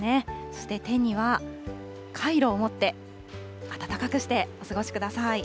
そして手にはカイロを持って、暖かくしてお過ごしください。